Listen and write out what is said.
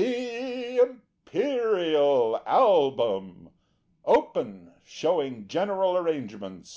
THE IMPERIAL ALBUM (OPEN), SHOWING GENERAL ARRANGEMENTS.